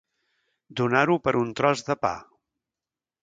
Donar-ho per un tros de pa.